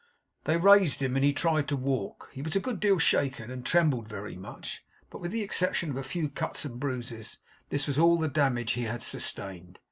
They raised him, and he tried to walk. He was a good deal shaken, and trembled very much. But with the exception of a few cuts and bruises this was all the damage he had sustained.